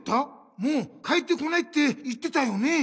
もう帰ってこないって言ってたよね。